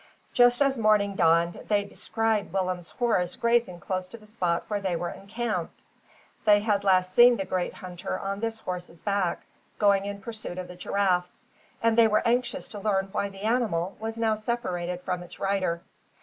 Just as morning dawned, they descried Willem's horse grazing close to the spot where they were encamped. They had last seen the great hunter on this horse's back, going in pursuit of the giraffes; and they were anxious to learn why the animal was now separated from its rider.